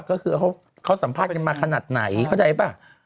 ก็คือเขาสัมภาษณ์กันมาขนาดไหนเข้าใจป่ะ